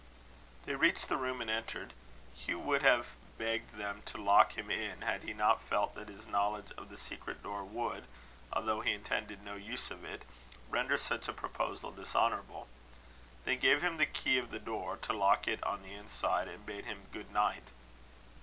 They reached the room, and entered. Hugh would have begged them to lock him in, had he not felt that his knowledge of the secret door, would, although he intended no use of it, render such a proposal dishonourable. They gave him the key of the door, to lock it on the inside, and bade him good night.